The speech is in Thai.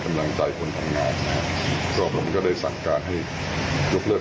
กำลังใจคนทำงานก็ผมก็ได้สั่งการให้ยกเลิก